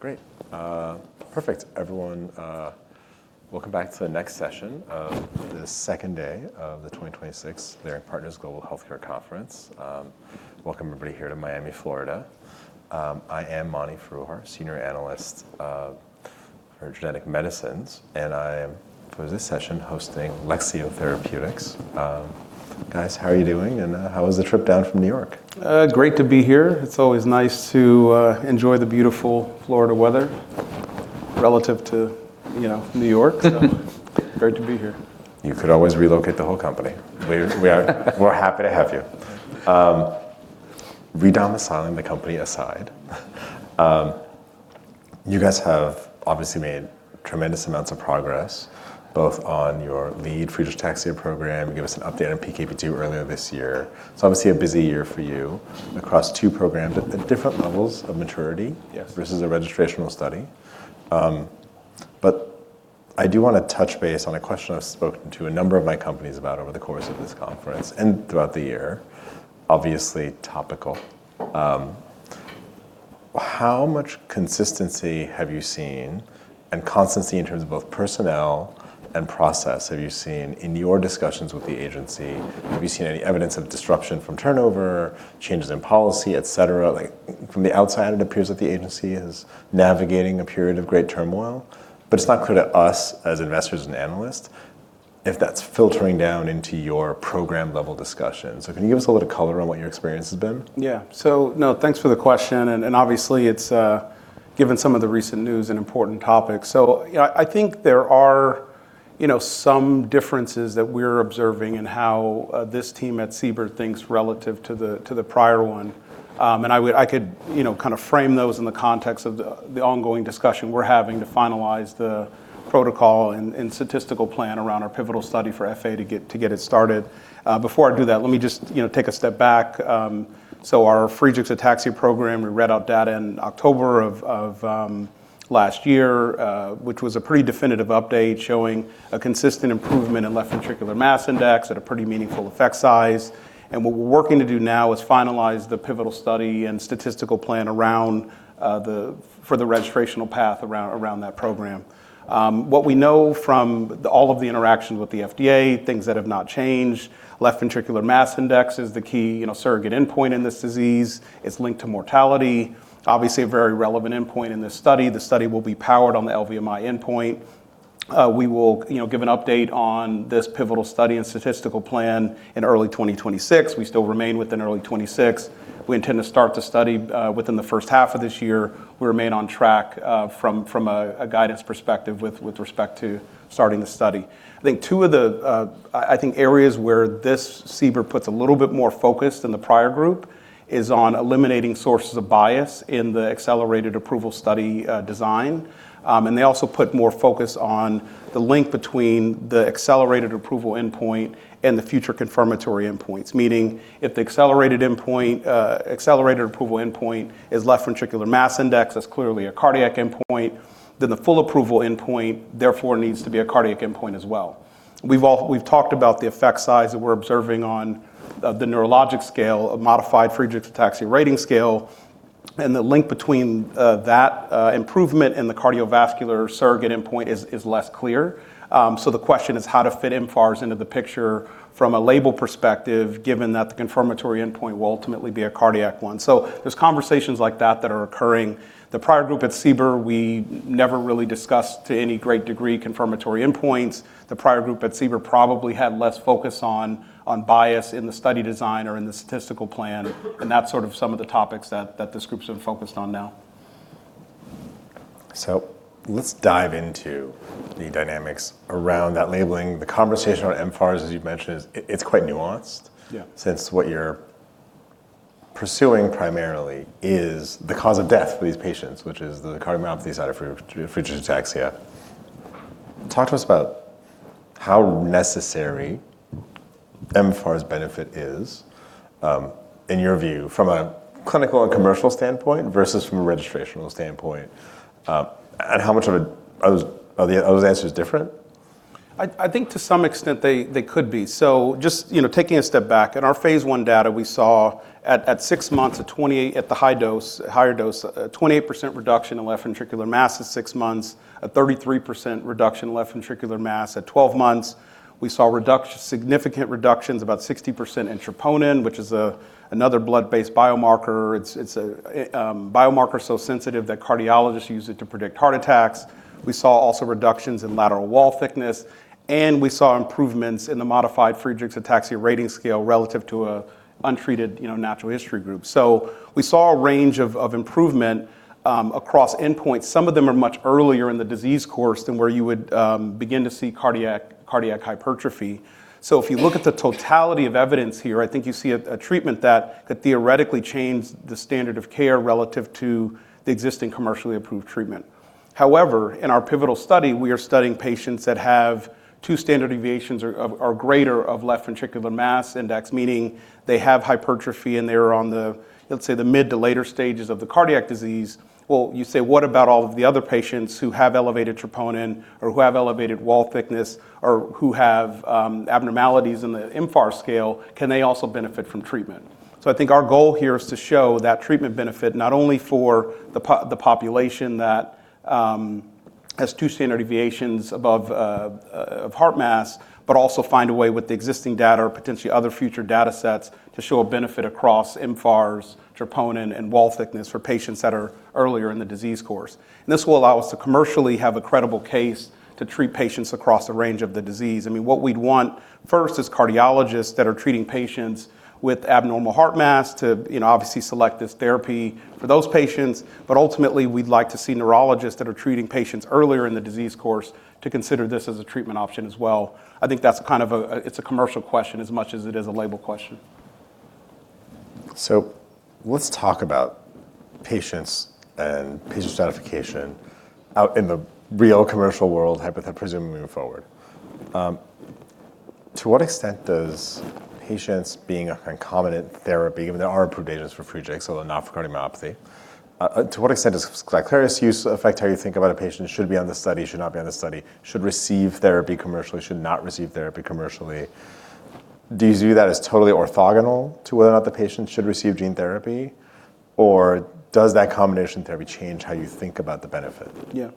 Great. Perfect. Everyone, welcome back to the next session of the second day of the 2026 Leerink Partners Global Healthcare Conference. Welcome everybody here to Miami, Florida. I am Mani Foroohar, Senior Analyst for Genetic Medicines, and I am, for this session, hosting Lexeo Therapeutics. Guys, how are you doing, and how was the trip down from New York? Great to be here. It's always nice to enjoy the beautiful Florida weather relative to, you know, New York. Great to be here. You could always relocate the whole company. We are happy to have you. Redomiciling the company aside, you guys have obviously made tremendous amounts of progress, both on your lead Friedreich's ataxia program, you gave us an update on PKP2 earlier this year. Obviously a busy year for you across two programs at different levels of maturity. Yes Versus a registrational study. I do wanna touch base on a question I've spoken to a number of my companies about over the course of this conference and throughout the year. Obviously topical. How much consistency have you seen and constancy in terms of both personnel and process have you seen in your discussions with the agency? Have you seen any evidence of disruption from turnover, changes in policy, et cetera? Like, from the outside, it appears that the agency is navigating a period of great turmoil, but it's not clear to us as investors and analysts if that's filtering down into your program-level discussions. Can you give us a little color on what your experience has been? Yeah. Thanks for the question, and obviously it's, given some of the recent news, an important topic. I think there are, you know, some differences that we're observing in how this team at CBER thinks relative to the prior one. I could, you know, kind of frame those in the context of the ongoing discussion we're having to finalize the protocol and statistical plan around our pivotal study for FA to get it started. Before I do that, let me just, you know, take a step back. Our Friedreich's ataxia program, we read out data in October of last year, which was a pretty definitive update showing a consistent improvement in left ventricular mass index at a pretty meaningful effect size. What we're working to do now is finalize the pivotal study and statistical plan for the registrational path around that program. What we know from all of the interactions with the FDA, things that have not changed, left ventricular mass index is the key, you know, surrogate endpoint in this disease. It's linked to mortality. Obviously, a very relevant endpoint in this study. The study will be powered on the LVMI endpoint. We will, you know, give an update on this pivotal study and statistical plan in early 2026. We still remain within early 2026. We intend to start the study within the first half of this year. We remain on track from a guidance perspective with respect to starting the study. I think two of the areas where this CBER puts a little bit more focus than the prior group is on eliminating sources of bias in the accelerated approval study design. They also put more focus on the link between the accelerated approval endpoint and the future confirmatory endpoints. Meaning, if the accelerated approval endpoint is left ventricular mass index, that's clearly a cardiac endpoint, then the full approval endpoint therefore needs to be a cardiac endpoint as well. We've all talked about the effect size that we're observing on the neurologic scale of modified Friedreich's ataxia rating scale, and the link between that improvement and the cardiovascular surrogate endpoint is less clear. The question is how to fit mFARS into the picture from a label perspective, given that the confirmatory endpoint will ultimately be a cardiac one. There's conversations like that that are occurring. The prior group at CBER, we never really discussed to any great degree confirmatory endpoints. The prior group at CBER probably had less focus on bias in the study design or in the statistical plan, and that's sort of some of the topics that this group's been focused on now. Let's dive into the dynamics around that labeling. The conversation around mFARS, as you've mentioned, is, it's quite nuanced. Yeah Since what you're pursuing primarily is the cause of death for these patients, which is the cardiomyopathy side of Friedreich's ataxia. Talk to us about how necessary mFARS benefit is, in your view from a clinical and commercial standpoint versus from a registrational standpoint, and are those answers different? I think to some extent they could be. Just, you know, taking a step back, in our phase I data, we saw at six months, at the high dose, a 28% reduction in left ventricular mass at six months, a 33% reduction in left ventricular mass at 12 months. We saw significant reductions, about 60% in troponin, which is another blood-based biomarker. It's a biomarker so sensitive that cardiologists use it to predict heart attacks. We saw also reductions in lateral wall thickness, and we saw improvements in the modified Friedreich's ataxia rating scale relative to an untreated, you know, natural history group. We saw a range of improvement across endpoints. Some of them are much earlier in the disease course than where you would begin to see cardiac hypertrophy. If you look at the totality of evidence here, I think you see a treatment that could theoretically change the standard of care relative to the existing commercially approved treatment. However, in our pivotal study, we are studying patients that have two standard deviations or greater of left ventricular mass index, meaning they have hypertrophy and they are on the, let's say, the mid to later stages of the cardiac disease. Well, you say, what about all of the other patients who have elevated troponin or who have elevated wall thickness or who have abnormalities in the mFARS scale, can they also benefit from treatment? I think our goal here is to show that treatment benefit not only for the population that has two standard deviations above of heart mass, but also find a way with the existing data or potentially other future data sets to show a benefit across mFARS, troponin, and wall thickness for patients that are earlier in the disease course. This will allow us to commercially have a credible case to treat patients across a range of the disease. I mean, what we'd want first is cardiologists that are treating patients with abnormal heart mass to, you know, obviously select this therapy for those patients. Ultimately, we'd like to see neurologists that are treating patients earlier in the disease course to consider this as a treatment option as well. I think that's kind of a commercial question as much as it is a label question. Let's talk about patients and patient stratification out in the real commercial world presumed moving forward. To what extent does patients being a concomitant therapy, I mean there are approvals for Friedreich's ataxia, though not for cardiomyopathy. To what extent does Skyclarys use affect how you think about a patient should be on this study, should not be on this study, should receive therapy commercially, should not receive therapy commercially? Do you view that as totally orthogonal to whether or not the patient should receive gene therapy, or does that combination therapy change how you think about the benefit? Yeah.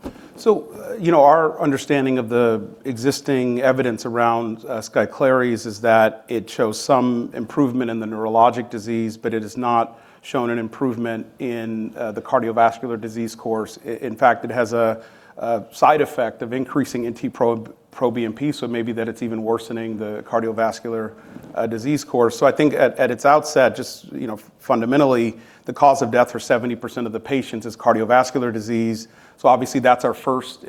You know, our understanding of the existing evidence around Skyclarys is that it shows some improvement in the neurologic disease, but it has not shown an improvement in the cardiovascular disease course. In fact, it has a side effect of increasing NT-proBNP, so maybe that it's even worsening the cardiovascular disease course. I think at its outset, just you know, fundamentally, the cause of death for 70% of the patients is cardiovascular disease. Obviously, that's our first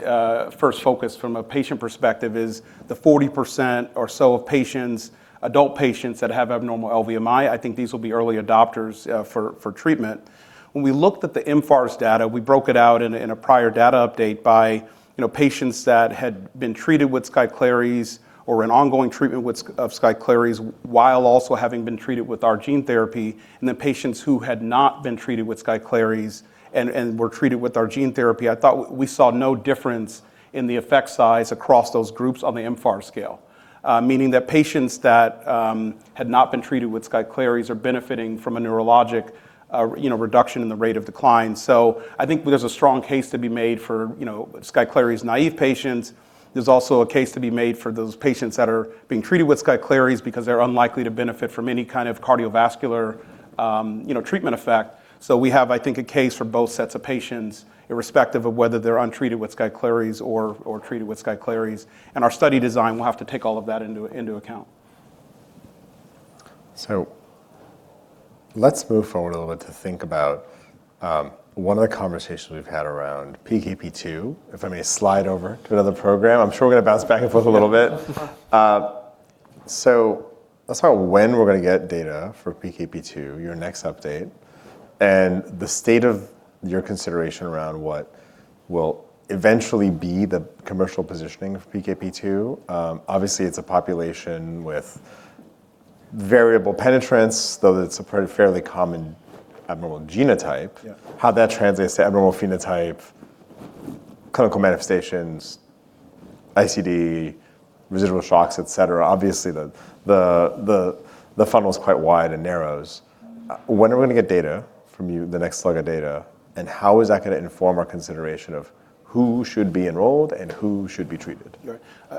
focus from a patient perspective is the 40% or so of patients, adult patients that have abnormal LVMI. I think these will be early adopters for treatment. When we looked at the mFARS data, we broke it out in a prior data update by, you know, patients that had been treated with Skyclarys or an ongoing treatment with Skyclarys while also having been treated with our gene therapy, and the patients who had not been treated with Skyclarys and were treated with our gene therapy. I thought we saw no difference in the effect size across those groups on the mFARS scale, meaning that patients that had not been treated with Skyclarys are benefiting from a neurologic, you know, reduction in the rate of decline. I think there's a strong case to be made for, you know, Skyclarys naive patients. There's also a case to be made for those patients that are being treated with Skyclarys because they're unlikely to benefit from any kind of cardiovascular, you know, treatment effect. We have, I think, a case for both sets of patients, irrespective of whether they're untreated with Skyclarys or treated with Skyclarys. Our study design will have to take all of that into account. Let's move forward a little bit to think about one of the conversations we've had around PKP2, if I may slide over to another program. I'm sure we're gonna bounce back and forth a little bit. Let's talk when we're gonna get data for PKP2, your next update, and the state of your consideration around what will eventually be the commercial positioning of PKP2. Obviously it's a population with variable penetrance, though that's a pretty fairly common abnormal genotype. Yeah. How that translates to abnormal phenotype, clinical manifestations, ICD, residual shocks, et cetera. Obviously, the funnel is quite wide and narrows. When are we gonna get data from you, the next slug of data, and how is that gonna inform our consideration of who should be enrolled and who should be treated? Right.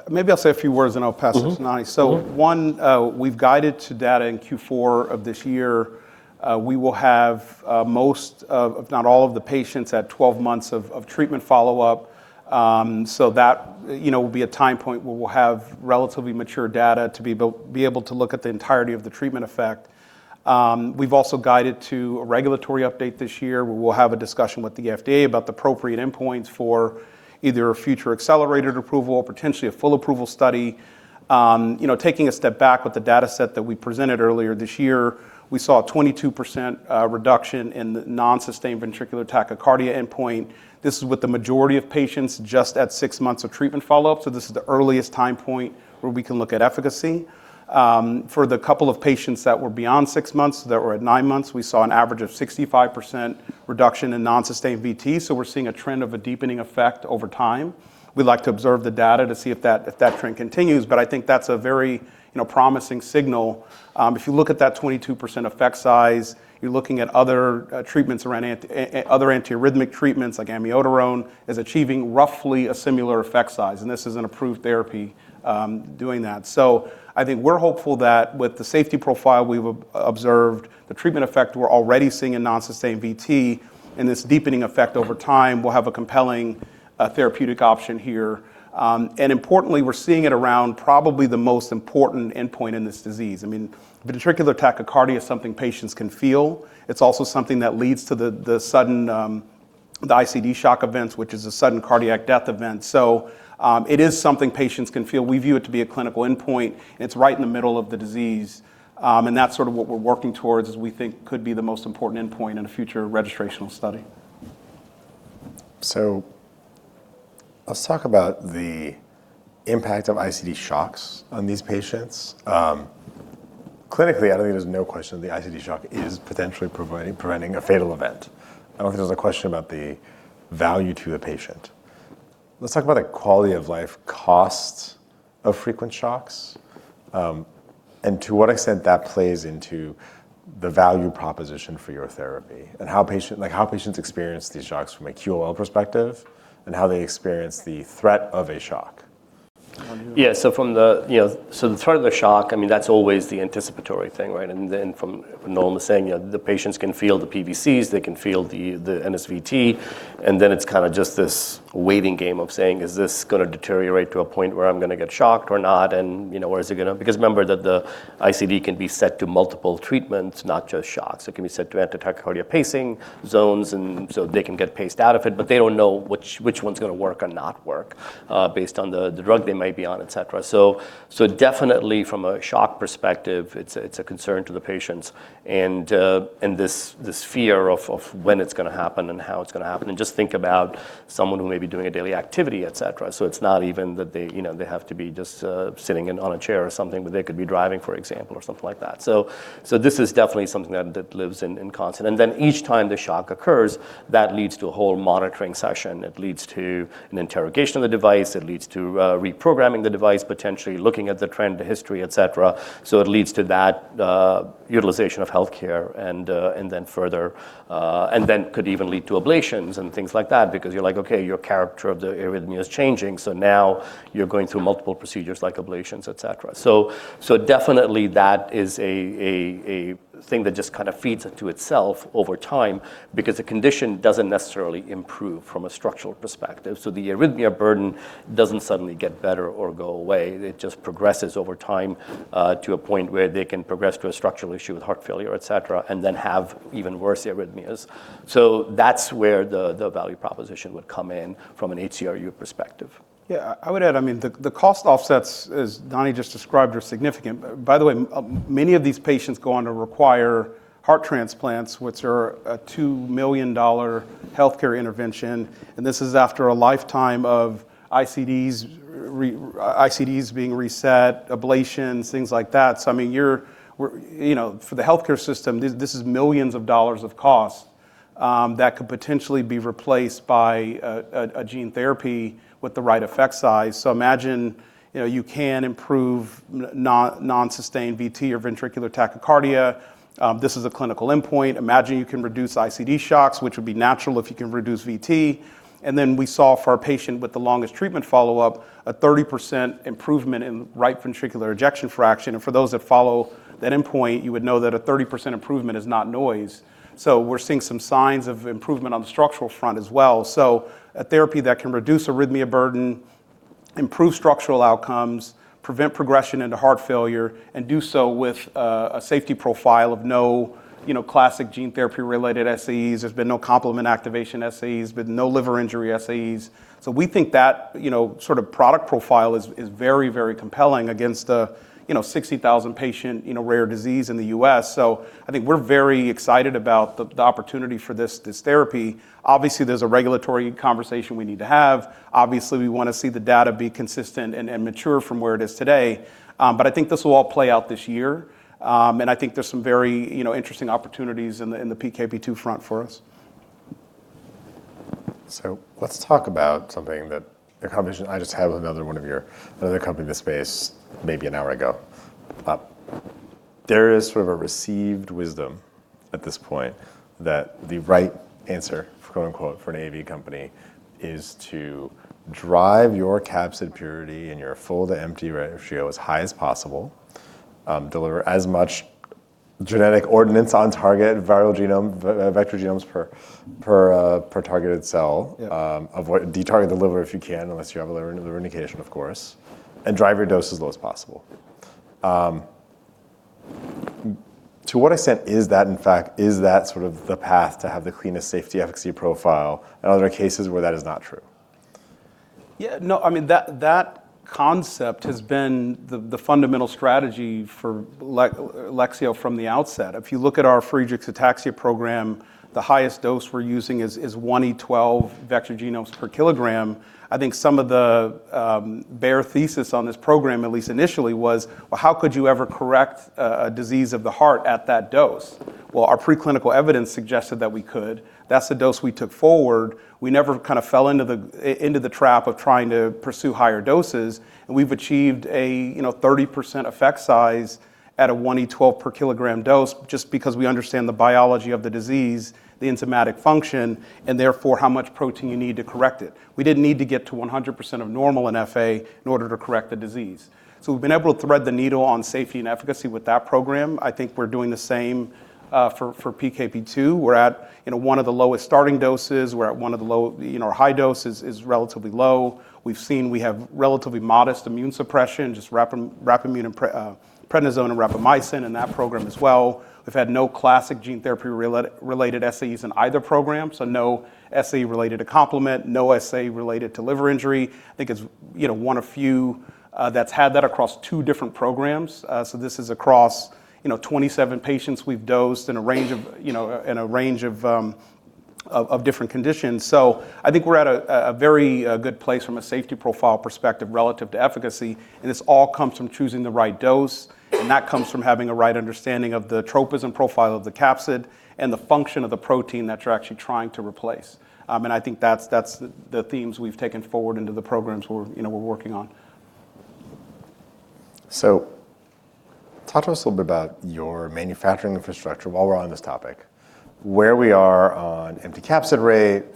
Maybe I'll say a few words, and I'll pass this to Nani. One, we've guided to data in Q4 of this year. We will have most of, if not all of, the patients at 12 months of treatment follow-up. That, you know, will be a time point where we'll have relatively mature data to be able to look at the entirety of the treatment effect. We've also guided to a regulatory update this year where we'll have a discussion with the FDA about the appropriate endpoints for either a future accelerated approval or potentially a full approval study. You know, taking a step back with the data set that we presented earlier this year, we saw a 22% reduction in the non-sustained ventricular tachycardia endpoint. This is with the majority of patients just at six months of treatment follow-up, so this is the earliest time point where we can look at efficacy. For the couple of patients that were beyond six months, that were at nine months, we saw an average of 65% reduction in non-sustained VT, so we're seeing a trend of a deepening effect over time. We'd like to observe the data to see if that trend continues, but I think that's a very promising signal. If you look at that 22% effect size, you're looking at other treatments around other antiarrhythmic treatments like amiodarone is achieving roughly a similar effect size, and this is an approved therapy doing that. I think we're hopeful that with the safety profile we've observed, the treatment effect we're already seeing in non-sustained VT and this deepening effect over time, we'll have a compelling therapeutic option here. Importantly, we're seeing it around probably the most important endpoint in this disease. I mean, the ventricular tachycardia is something patients can feel. It's also something that leads to the sudden ICD shock events, which is a sudden cardiac death event. It is something patients can feel. We view it to be a clinical endpoint, and it's right in the middle of the disease. That's sort of what we're working towards as we think could be the most important endpoint in a future registrational study. Let's talk about the impact of ICD shocks on these patients. Clinically, I think there's no question the ICD shock is potentially preventing a fatal event. I don't think there's a question about the value to the patient. Let's talk about the quality of life cost of frequent shocks, and to what extent that plays into the value proposition for your therapy and how, like, patients experience these shocks from a QOL perspective and how they experience the threat of a shock. Yeah. The threat of the shock, I mean, that's always the anticipatory thing, right? Nolan was saying, you know, the patients can feel the PVCs, they can feel the NSVT, and then it's kinda just this waiting game of saying, "Is this gonna deteriorate to a point where I'm gonna get shocked or not?" Because remember that the ICD can be set to multiple treatments, not just shocks. It can be set to anti-tachycardia pacing zones, and so they can get paced out of it, but they don't know which one's gonna work or not work, based on the drug they might be on, et cetera. Definitely from a shock perspective, it's a concern to the patients and this fear of when it's gonna happen and how it's gonna happen. Just think about someone who may be doing a daily activity, et cetera. It's not even that they you know have to be just sitting on a chair or something, but they could be driving, for example, or something like that. This is definitely something that lives in constant. Each time the shock occurs, that leads to a whole monitoring session. It leads to an interrogation of the device. It leads to reprogramming the device, potentially looking at the trend, the history, et cetera. It leads to that utilization of healthcare and then further and then could even lead to ablations and things like that because you're like, "Okay, your character of the arrhythmia is changing," so now you're going through multiple procedures like ablations, et cetera. Definitely that is a thing that just feeds into itself over time because the condition doesn't necessarily improve from a structural perspective. The arrhythmia burden doesn't suddenly get better or go away. It just progresses over time to a point where they can progress to a structural issue with heart failure, et cetera, and then have even worse arrhythmias. That's where the value proposition would come in from an HCRU perspective. Yeah. I would add, I mean, the cost offsets, as Nani just described, are significant. By the way, many of these patients go on to require heart transplants, which are a $2 million healthcare intervention, and this is after a lifetime of ICDs ICDs being reset, ablations, things like that. I mean, we're you know, for the healthcare system, this is millions of dollars of cost that could potentially be replaced by a gene therapy with the right effect size. Imagine, you know, you can improve non-sustained VT or ventricular tachycardia. This is a clinical endpoint. Imagine you can reduce ICD shocks, which would be natural if you can reduce VT. Then we saw for our patient with the longest treatment follow-up a 30% improvement in right ventricular ejection fraction. For those that follow that endpoint, you would know that a 30% improvement is not noise. We're seeing some signs of improvement on the structural front as well. A therapy that can reduce arrhythmia burden, improve structural outcomes, prevent progression into heart failure, and do so with a safety profile of no, you know, classic gene therapy-related SAEs. There's been no complement activation SAEs, been no liver injury SAEs. We think that, you know, sort of product profile is very, very compelling against a, you know, 60,000-patient, you know, rare disease in the U.S. I think we're very excited about the opportunity for this therapy. Obviously, there's a regulatory conversation we need to have. Obviously, we wanna see the data be consistent and mature from where it is today. I think this will all play out this year, and I think there's some very, you know, interesting opportunities in the PKP2 front for us. Let's talk about something that the company. I just had another company in this space maybe an hour ago. There is sort of a received wisdom at this point that the right answer, quote-unquote, for an AAV company is to drive your capsid purity and your full-to-empty ratio as high as possible, deliver as much genetic ordnance on target, vector genomes per targeted cell. Yeah Avoid de-target the liver if you can, unless you have a liver indication, of course, and drive your dose as low as possible. To what extent is that, in fact, the path to have the cleanest safety efficacy profile and other cases where that is not true? Yeah, no, I mean, that concept has been the fundamental strategy for Lexeo from the outset. If you look at our Friedreich's ataxia program, the highest dose we're using is one E12 vector genomes per kilogram. I think some of the bear thesis on this program, at least initially, was, well, how could you ever correct a disease of the heart at that dose? Well, our preclinical evidence suggested that we could. That's the dose we took forward. We never kind of fell into the into the trap of trying to pursue higher doses, and we've achieved a, you know, 30% effect size at a one E12 per kilogram dose just because we understand the biology of the disease, the enzymatic function, and therefore how much protein you need to correct it. We didn't need to get to 100% of normal frataxin in order to correct the disease. We've been able to thread the needle on safety and efficacy with that program. I think we're doing the same for PKP2. We're at one of the lowest starting doses. We're at one of the low, our high dose is relatively low. We've seen we have relatively modest immune suppression, just rapamycin and prednisone and rapamycin in that program as well. We've had no classic gene therapy related SAEs in either program, so no SAE related to complement, no SAE related to liver injury. I think it's one of few that's had that across two different programs. This is across 27 patients we've dosed in a range of different conditions. I think we're at a very good place from a safety profile perspective relative to efficacy, and this all comes from choosing the right dose, and that comes from having a right understanding of the tropism profile of the capsid and the function of the protein that you're actually trying to replace. I think that's the themes we've taken forward into the programs we're working on. Talk to us a little bit about your manufacturing infrastructure while we're on this topic, where we are on empty capsid ratio,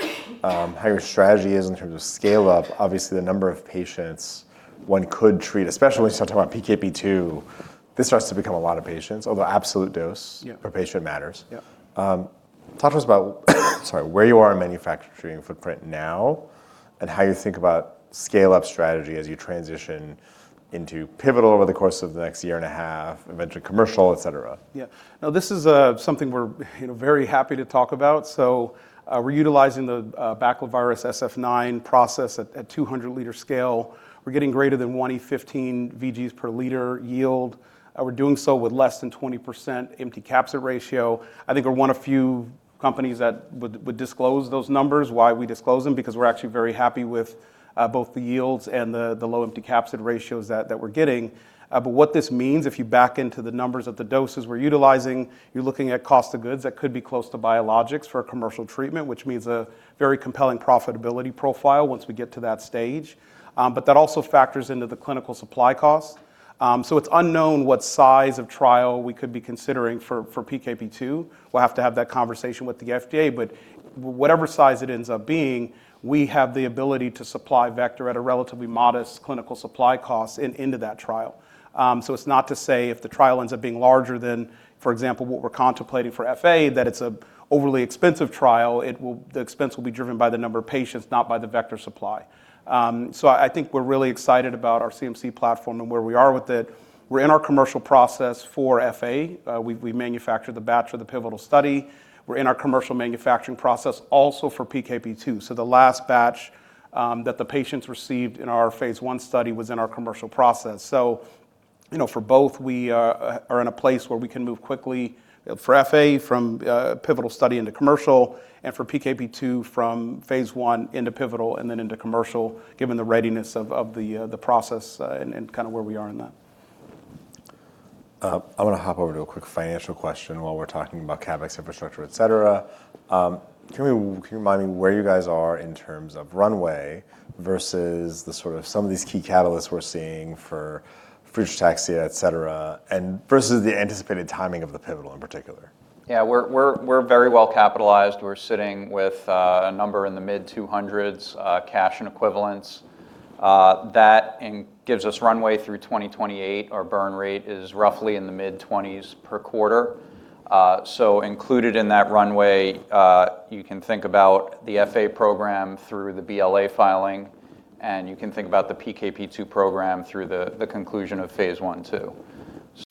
how your strategy is in terms of scale up. Obviously, the number of patients one could treat, especially since we're talking about PKP2, this starts to become a lot of patients, although absolute dose- Yeah. Per patient matters. Yeah. Talk to us about where you are in manufacturing footprint now and how you think about scale up strategy as you transition into pivotal over the course of the next year and a half, eventually commercial, et cetera. Yeah. No, this is something we're, you know, very happy to talk about. We're utilizing the baculovirus Sf9 process at 200-liter scale. We're getting greater than 1E15 vg per liter yield. We're doing so with less than 20% empty capsid ratio. I think we're one of few companies that would disclose those numbers. Why we disclose them? Because we're actually very happy with both the yields and the low empty capsid ratios that we're getting. What this means, if you back into the numbers of the doses we're utilizing, you're looking at cost of goods that could be close to biologics for a commercial treatment, which means a very compelling profitability profile once we get to that stage. That also factors into the clinical supply cost. It's unknown what size of trial we could be considering for PKP2. We'll have to have that conversation with the FDA. Whatever size it ends up being, we have the ability to supply vector at a relatively modest clinical supply cost into that trial. It's not to say if the trial ends up being larger than, for example, what we're contemplating for FA, that it's an overly expensive trial. The expense will be driven by the number of patients, not by the vector supply. I think we're really excited about our CMC platform and where we are with it. We're in our commercial process for FA. We've manufactured the batch for the pivotal study. We're in our commercial manufacturing process also for PKP2. The last batch that the patients received in our phase I study was in our commercial process. You know, for both, we are in a place where we can move quickly, for FA from pivotal study into commercial and for PKP2 from phase I into pivotal and then into commercial, given the readiness of the process and kind of where we are in that. I wanna hop over to a quick financial question while we're talking about CapEx infrastructure, et cetera. Can you remind me where you guys are in terms of runway versus the sort of some of these key catalysts we're seeing for Friedreich's ataxia, et cetera, and versus the anticipated timing of the pivotal in particular? Yeah. We're very well capitalized. We're sitting with a number in the mid $200 cash and equivalents. That gives us runway through 2028. Our burn rate is roughly in the mid $20 per quarter. Included in that runway, you can think about the FA program through the BLA filing, and you can think about the PKP2 program through the conclusion of phase I, too.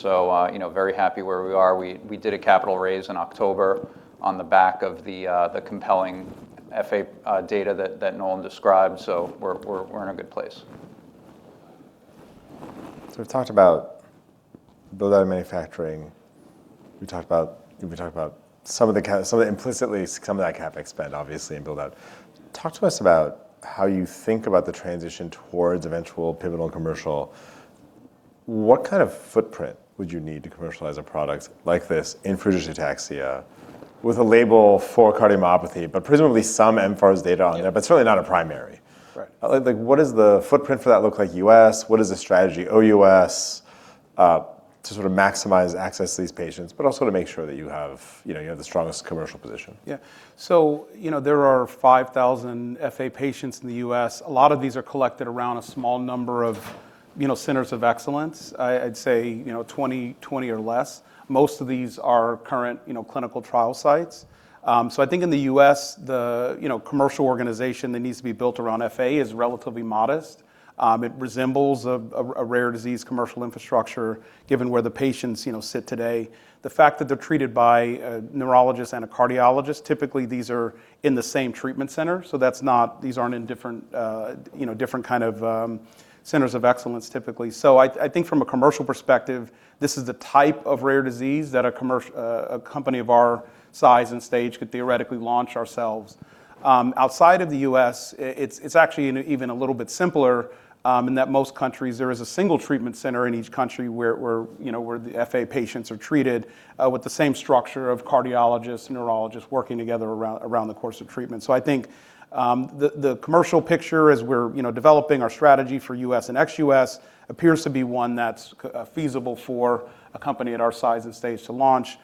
You know, very happy where we are. We did a capital raise in October on the back of the compelling FA data that Nolan described, so we're in a good place. We've talked about build out and manufacturing. We talked about some of that CapEx spend, obviously, in build out. Talk to us about how you think about the transition towards eventual pivotal commercial. What kind of footprint would you need to commercialize a product like this in Friedreich's ataxia with a label for cardiomyopathy, but presumably some mFARS data on there, but certainly not a primary? Right. Like what does the footprint for that look like U.S., what is the strategy OUS, to sort of maximize access to these patients, but also to make sure that you have, you know, the strongest commercial position? Yeah. There are 5,000 FA patients in the U.S. A lot of these are collected around a small number of centers of excellence. I'd say twenty or less. Most of these are current clinical trial sites. I think in the U.S., the commercial organization that needs to be built around FA is relatively modest. It resembles a rare disease commercial infrastructure given where the patients sit today. The fact that they're treated by a neurologist and a cardiologist, typically these are in the same treatment center, so these aren't in different kinds of centers of excellence typically. I think from a commercial perspective, this is the type of rare disease that a company of our size and stage could theoretically launch ourselves. Outside of the U.S., it's actually even a little bit simpler, in that most countries there is a single treatment center in each country where you know where the FA patients are treated with the same structure of cardiologists, neurologists working together around the course of treatment. I think the commercial picture as we're you know developing our strategy for U.S. and ex-U.S. appears to be one that's feasible for a company at our size and stage to launch.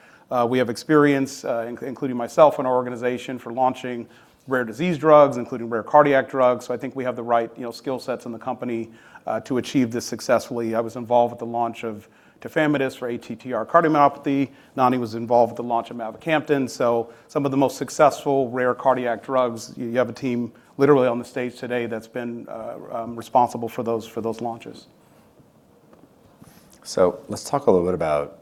We have experience, including myself and our organization for launching rare disease drugs, including rare cardiac drugs, so I think we have the right, you know, skill sets in the company, to achieve this successfully. I was involved with the launch of tafamidis for ATTR cardiomyopathy. Nani was involved with the launch of mavacamten. Some of the most successful rare cardiac drugs, you have a team literally on the stage today that's been responsible for those launches. Let's talk a little bit about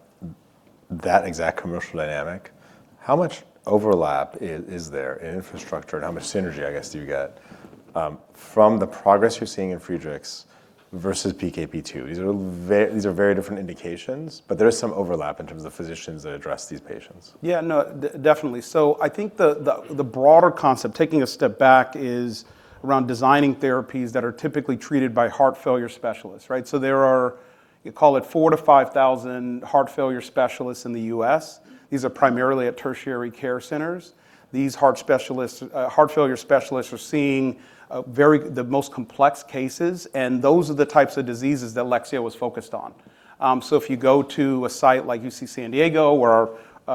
that exact commercial dynamic. How much overlap is there in infrastructure, and how much synergy, I guess, do you get from the progress you're seeing in Friedreich's versus PKP2? These are very different indications, but there is some overlap in terms of physicians that address these patients. Yeah, no, definitely. I think the broader concept, taking a step back, is around designing therapies that are typically treated by heart failure specialists, right? There are, call it four to five thousand heart failure specialists in the U.S. These are primarily at tertiary care centers. These heart specialists, heart failure specialists are seeing the most complex cases, and those are the types of diseases that Lexeo was focused on. If you go to a site like UC San Diego, where our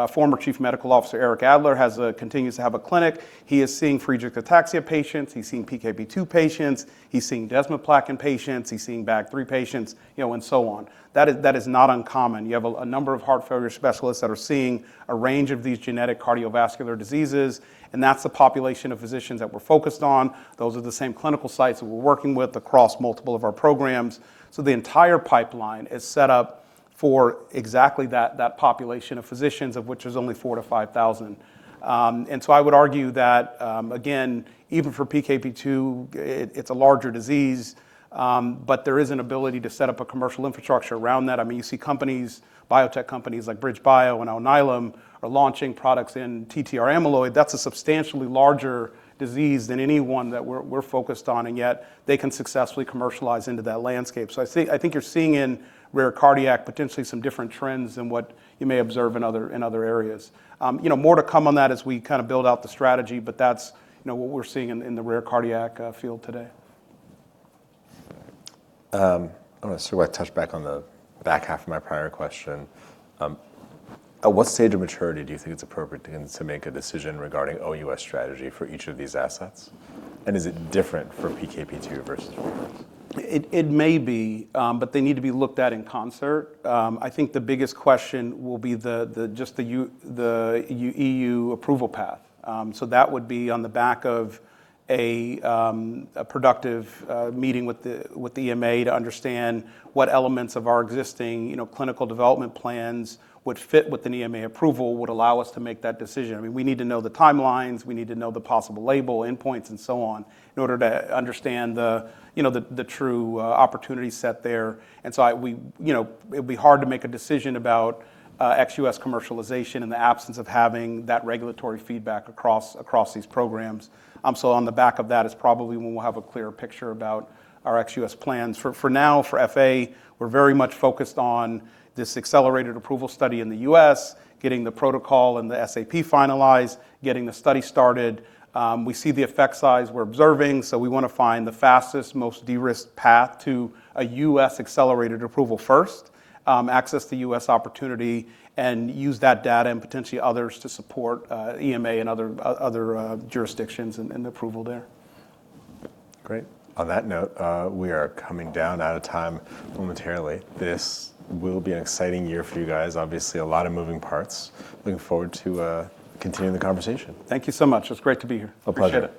former chief medical officer, Eric Adler, continues to have a clinic, he is seeing Friedreich's ataxia patients, he's seeing PKP2 patients, he's seeing desmoplakin patients, he's seeing BAG3 patients, you know, and so on. That is not uncommon. You have a number of heart failure specialists that are seeing a range of these genetic cardiovascular diseases, and that's the population of physicians that we're focused on. Those are the same clinical sites that we're working with across multiple of our programs. The entire pipeline is set up for exactly that population of physicians, of which there's only 4,000 to 5,000. I would argue that, again, even for PKP2, it's a larger disease, but there is an ability to set up a commercial infrastructure around that. I mean, you see companies, biotech companies like BridgeBio and Alnylam are launching products in TTR amyloid. That's a substantially larger disease than any one that we're focused on, and yet they can successfully commercialize into that landscape. I think you're seeing in rare cardiac potentially some different trends than what you may observe in other areas. You know, more to come on that as we kinda build out the strategy, but that's, you know, what we're seeing in the rare cardiac field today. I wanna sort of touch back on the back half of my prior question. At what stage of maturity do you think it's appropriate then to make a decision regarding OUS strategy for each of these assets? Is it different for PKP2 versus ? It may be, but they need to be looked at in concert. I think the biggest question will be the EU approval path. So that would be on the back of a productive meeting with the EMA to understand what elements of our existing, you know, clinical development plans would fit with an EMA approval, would allow us to make that decision. I mean, we need to know the timelines, we need to know the possible label endpoints and so on in order to understand the, you know, the true opportunity set there. It would be hard to make a decision about ex-U.S. commercialization in the absence of having that regulatory feedback across these programs. On the back of that is probably when we'll have a clearer picture about our ex-U.S. plans. For now, for FA, we're very much focused on this accelerated approval study in the U.S., getting the protocol and the SAP finalized, getting the study started. We see the effect size we're observing, so we wanna find the fastest, most de-risked path to a U.S. accelerated approval first, assess the U.S. opportunity and use that data and potentially others to support EMA and other jurisdictions and the approval there. Great. On that note, we are coming down out of time momentarily. This will be an exciting year for you guys. Obviously, a lot of moving parts. Looking forward to continuing the conversation. Thank you so much. It's great to be here. A pleasure.